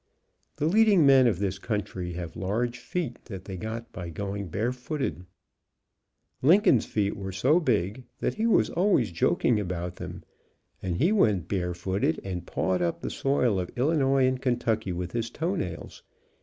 The lead ing men of this country have large feet that they got by going barefooted. Lincoln's feet were so big that he was always joking about them, and he went bare As though I was a freak from a side show footed and pawed up the soil of Illinois and Kentucky with his toe nails.